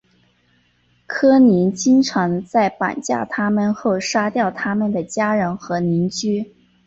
科尼经常在绑架他们后杀掉他们的家人和邻居。